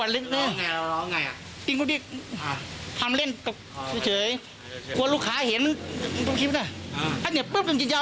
แล้วแบบผมก็กลัวทุกอย่างแล้วคือยังไง